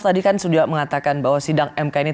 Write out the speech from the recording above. jadi kan sudah mengatakan bahwa sidang mk ini